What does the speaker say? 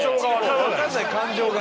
わかんない感情が。